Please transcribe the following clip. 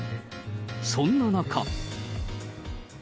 そんな中。